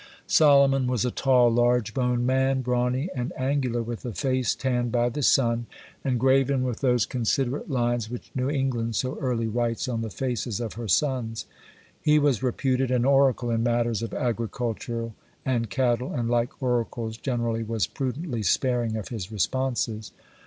Solomon was a tall, large boned man, brawny and angular, with a face tanned by the sun, and graven with those considerate lines which New England so early writes on the faces of her sons. He was reputed an oracle in matters of agriculture and cattle, and, like oracles generally, was prudently sparing of his responses.